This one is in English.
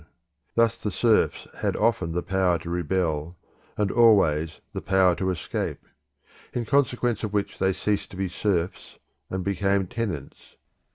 Thus the serfs had often the power to rebel, and always the power to escape; in consequence of which they ceased to be serfs and became tenants.